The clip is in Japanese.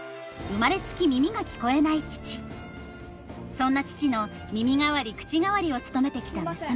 そんな父の耳代わり口代わりを務めてきた娘。